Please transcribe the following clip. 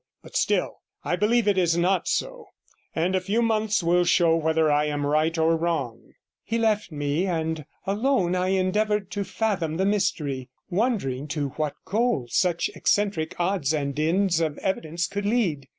But still I believe it is not so, and a few months will show whether I am right or wrong.' He left me, and alone I endeavoured to fathom the mystery, wondering to what goal such eccentric odds and ends of evidence could lead.